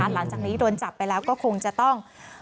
หลังจากนี้โดนจับไปแล้วก็คงจะต้อง